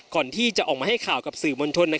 ก่อนที่จะออกมาให้ข่าวกับสื่อมวลชน